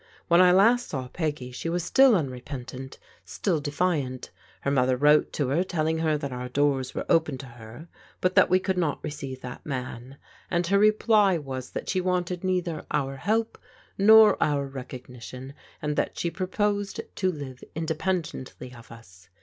" When I last saw Peggy she was still tmrepentant, still defiant. Her mother wrote to her telling her that our doors were open to her, but that we could not receive that man, and her reply was that she wanted neither our help nor our recognition, and that she proposed to live independently of us.